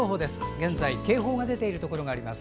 現在、警報が出ているところがあります。